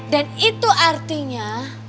dan itu artinya